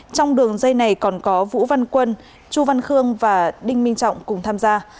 trong đường dây này còn có vũ văn quân chu văn khương và đinh minh trọng cùng tham gia